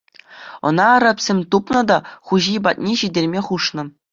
Ӑна арабсем тупнӑ та хуҫи патне ҫитерме хушнӑ.